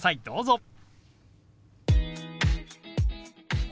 どうぞ。